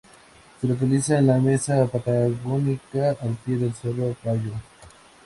Se localiza en la meseta patagónica, al pie del Cerro Bayo.